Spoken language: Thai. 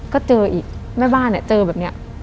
ก็เจออีกแม่บ้านเนี่ยเจอแบบนี้